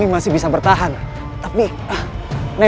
kau bisa menangkapku